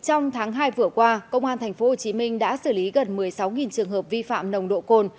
trong tháng hai vừa qua công an tp hcm đã xử lý gần một mươi sáu trường hợp vi phạm nồng độ cồn